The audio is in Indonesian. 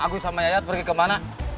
agus sama yayat pergi kemana